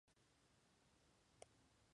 Es creyente de la Iglesia católica.